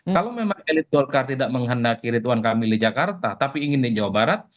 kalau memang elit golkar tidak menghendaki rituan kamil di jakarta tapi ingin di jawa barat